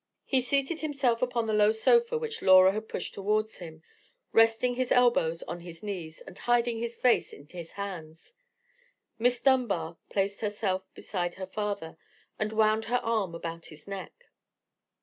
He seated himself upon the low sofa which Laura had pushed towards him, resting his elbows on his knees, and hiding his face in his hands. Miss Dunbar placed herself beside her father, and wound her arm about his neck.